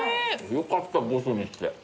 よかった５種にして。